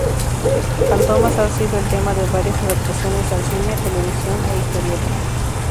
Fantômas ha sido el tema de varias adaptaciones al cine, televisión e historieta.